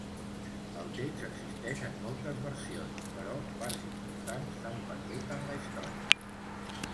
El text existeix en moltes versions, però parts importants s'han perdut en la història.